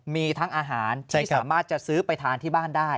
มีทั้งอาหารที่สามารถจะซื้อไปทานที่บ้านได้